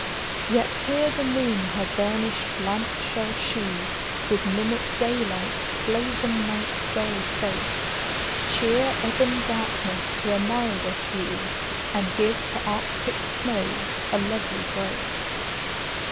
Yet here the moon her burnished lamp shall shew, With mimic day light blazon night's dull face; Cheer ebon darkness to a milder hue, And give to arctic snows a lovely grace.